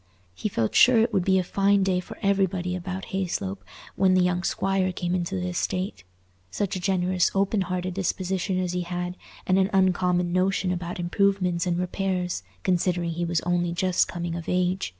He felt sure it would be a fine day for everybody about Hayslope when the young squire came into the estate—such a generous open hearted disposition as he had, and an "uncommon" notion about improvements and repairs, considering he was only just coming of age.